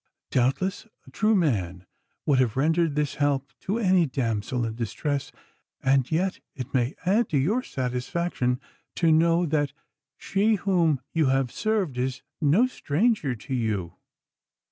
Doubtless a true man would have rendered this help to any damsel in distress, and yet it may add to your satisfaction to know that she whom you have served is no stranger to you.